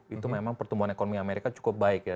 itu memang pertumbuhan ekonomi amerika cukup baik ya